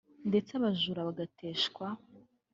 ndetse abajura bagateshwa